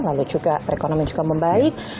lalu juga perekonomian juga membaik